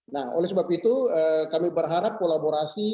nah oleh sebab itu kami berharap kolaborasi